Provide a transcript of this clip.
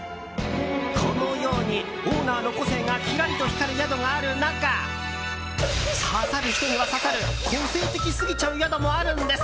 このようにオーナーの個性がきらりと光る宿がある中刺さる人には刺さる個性的すぎちゃう宿もあるんです。